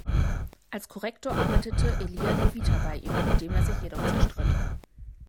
Als Korrektor arbeitete Elijah Levita bei ihm, mit dem er sich jedoch zerstritt.